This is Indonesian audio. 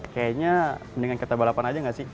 kayaknya mendingan kita balapan aja gak sih